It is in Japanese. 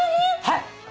はい。